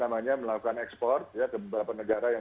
melakukan ekspor ke beberapa negara yang